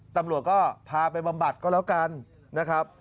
ตำรวจก็พาไปบำบัดก็แล้วกันนะครับ